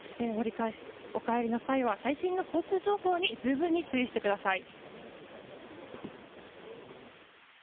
お帰りの際は最新の交通情報に十分に注意してください。